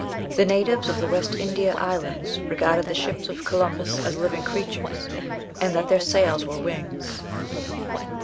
The natives of the West India Islands regarded the ships of Columbus as living creatures, and that their sails were wings.